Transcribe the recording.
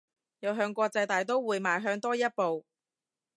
又向國際大刀會邁向多一步